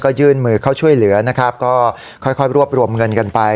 ก็ยื่นมือเข้าช่วยเหลือนะครับก็ค่อยรวบรวมเงินกันไป